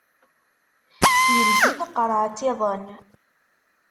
Yeldi taqerɛet-iḍen.